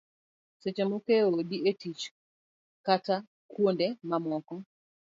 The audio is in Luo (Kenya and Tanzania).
seche moko e odi, e tich kata kuonde mamoko